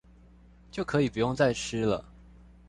就可以不用再吃了